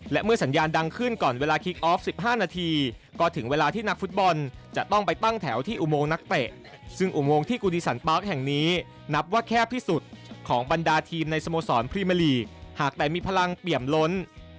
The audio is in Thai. และเมื่อสัญญาณดังขึ้นก่อนเวลาคิกออฟ๑๕นาทีก็ถึงเวลาที่นักฟุตบอลจะต้องไปตั้งแถวที่อุโมงนักเตะซึ่งอุโมงที่กุดีสันปาร์คแห่งนี้นับว่าแคบที่สุดของบรรดาทีมในสโมสรพรีเมอร์ลีกหากแต่มีพลังเปี่ยมล้น